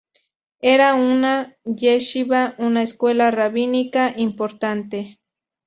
Era una yeshiva, una escuela rabínica importante.